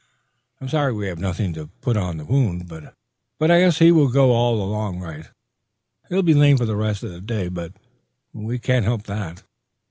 "I'm sorry we have nothing to put in the wound. But I guess he will go along all right. He'll be lame for the rest of the day; but we cannot help that."